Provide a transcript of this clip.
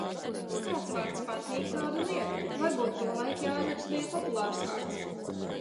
Kāds vārds patīk – tādu liek. Varbūt tolaik Jāzeps bija populārs vārds.